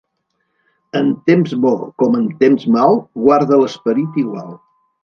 En temps bo com en temps mal, guarda l'esperit igual.